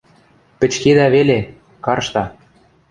Пӹчкедӓ веле, каршта...